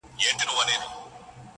نه ټیټېږي بې احده پښتون سر دقاسمیاردی,